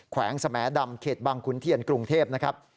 แขวงสแหมดำเขตบังขุนเทียนกรุงเทพนะครับ